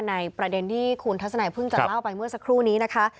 ในประเด็นที่คุณทัศนัยเพิ่งจะเล่าไปเมื่อสักครู่นี้นะคะ